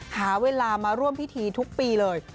หาเวลามาร่วมพิธีทุกปีเลย